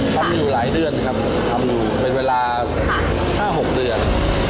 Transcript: ทำอยู่หลายเดือนครับทำอยู่เป็นเวลา๕๖เดือน